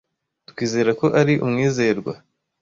Twizera ko ari umwizerwa.